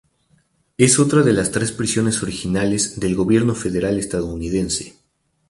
Es una de las tres prisiones originales del gobierno federal estadounidense.